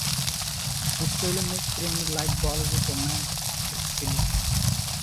This film is framed like Bollywood Romance Concept films.